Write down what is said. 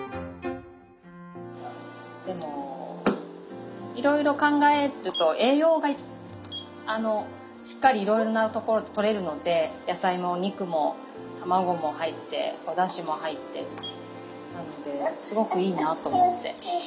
でもいろいろ考えると栄養がしっかりいろいろなところでとれるので野菜もお肉も卵も入っておだしも入ってなのですごくいいなと思って。